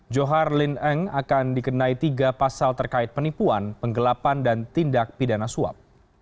johar lin eng akan dikenai tiga pasal terkait penipuan penggelapan dan tindak pidana suap